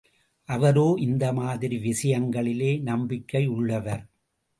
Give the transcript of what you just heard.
அவரோ, இந்த மாதிரி விஷயங்களிலே நம்பிக்கையுள்ளவர்.